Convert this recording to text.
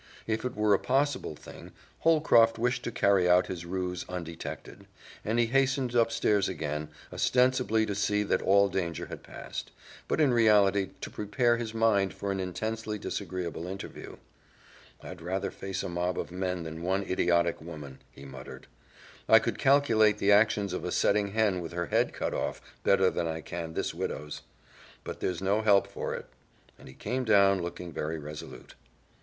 If it were a possible thing Holcroft wished to carry out his ruse undetected, and he hastened upstairs again, ostensibly to see that all danger had passed, but in reality to prepare his mind for an intensely disagreeable interview. "I'd rather face a mob of men than that one idiotic woman," he muttered. "I could calculate the actions of a setting hen with her head cut off better than I can this widow's. But there's no help for it," and he came down looking very resolute.